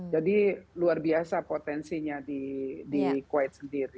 jadi luar biasa potensinya di kuwait sendiri